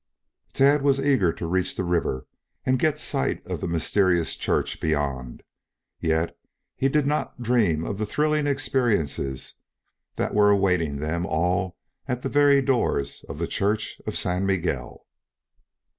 Tad was eager to reach the river and get sight of the mysterious church beyond. Yet, he did not dream of the thrilling experiences that were awaiting them all at the very doors of the church of San Miguel.